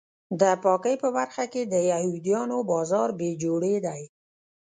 د پاکۍ په برخه کې د یهودیانو بازار بې جوړې دی.